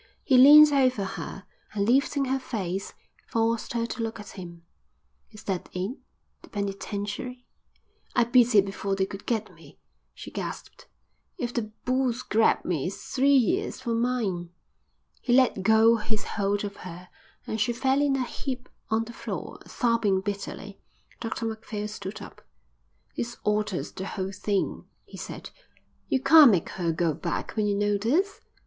He leaned over her and, lifting her face, forced her to look at him. "Is that it, the penitentiary?" "I beat it before they could get me," she gasped. "If the bulls grab me it's three years for mine." He let go his hold of her and she fell in a heap on the floor, sobbing bitterly. Dr Macphail stood up. "This alters the whole thing," he said. "You can't make her go back when you know this.